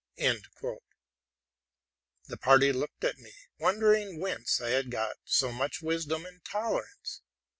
The party looked at me, wondering whence I had got so much wisdom and tolerance.